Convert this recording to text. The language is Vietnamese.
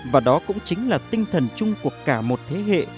và đó cũng chính là tinh thần chung của cả một thế hệ